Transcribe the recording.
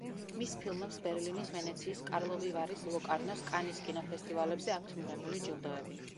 მის ფილმებს ბერლინის, ვენეციის, კარლოვი ვარის, ლოკარნოს, კანის კინოფესტივალებზე აქვთ მიღებული ჯილდოები.